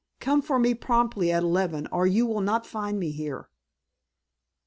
Come for me promptly at eleven or you will not find me here."